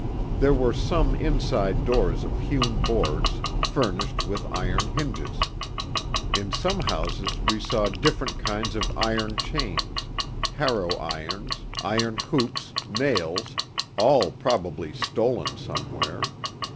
There were some inside doors of hewn boards, furnished with iron hinges. In some houses we saw different kinds of iron chains, harrow irons, iron hoops, nails — all probably stolen somewhere.